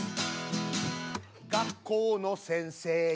「学校の先生に」